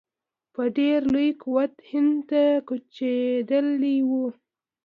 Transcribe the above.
په ډېر لوی قوت هند ته کوچېدلي وي.